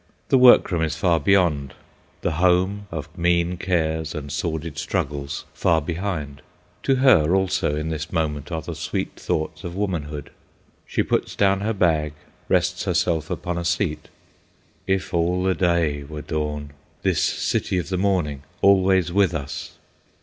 The work room is far beyond, the home of mean cares and sordid struggles far behind. To her, also, in this moment are the sweet thoughts of womanhood. She puts down her bag, rests herself upon a seat. If all the day were dawn, this city of the morning always with us!